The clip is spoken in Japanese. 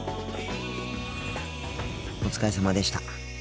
お疲れさまでした。